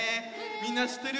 みんなしってる？